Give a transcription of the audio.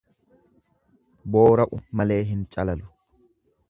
Boora'u malee hin calalu.